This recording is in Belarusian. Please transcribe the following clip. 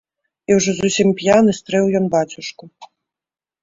І ўжо зусім п'яны стрэў ён бацюшку.